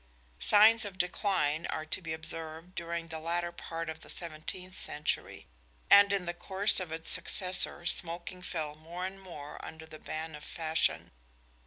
Signs of decline are to be observed during the latter part of the seventeenth century; and in the course of its successor smoking fell more and more under the ban of fashion.